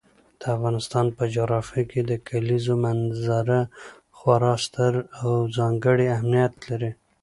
د افغانستان په جغرافیه کې د کلیزو منظره خورا ستر او ځانګړی اهمیت لري.